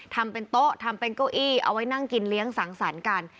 ทำเป็นโต๊ะทำเป็นเก้าอี้เอาไว้นั่งกินเลี้ยงสังสรรค์กัน